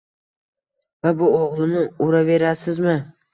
Va bu o‘g‘limni uraverasizmi?